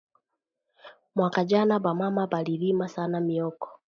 Mwaka jana, ba mama bari rima sana mioko